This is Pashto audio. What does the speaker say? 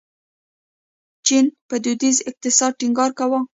چین په دودیز اقتصاد ټینګار کاوه.